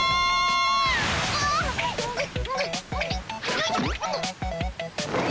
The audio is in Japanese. よいしょ。